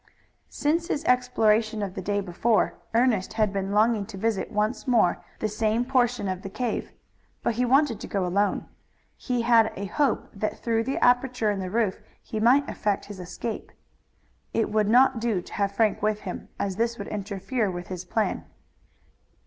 Since his exploration of the day before Ernest had been longing to visit once more the same portion of the cave. But he wanted to go alone. He had a hope that through the aperture in the roof he might effect his escape. It would not do to have Frank with him, as this would interfere with his plan.